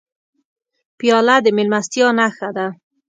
پیاله د میلمستیا نښه ده.